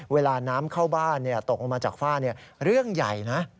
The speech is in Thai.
เวลาน้ำเข้าบ้านตกลงมาจากฝ้าเรื่องใหญ่นะ